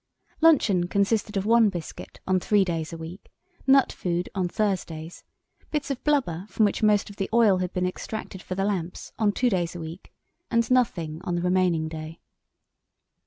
Luncheon consisted of one biscuit on three days a week, nut food on Thursdays, bits of blubber, from which most of the oil had been extracted for the lamps, on two days a week, and nothing on the remaining day.